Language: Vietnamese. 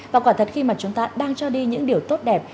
và quả thật khi mà chúng ta đang cho đi những điều tốt đẹp